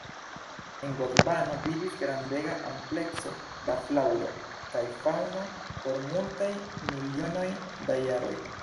En Gondvano vivis grandega amplekso da flaŭro kaj faŭno por multaj milionoj da jaroj.